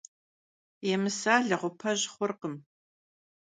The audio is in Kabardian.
Yêmısa leğupej urkhım.